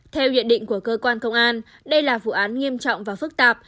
theo nhận định của cơ quan công an đây là vụ án nghiêm trọng và phức tạp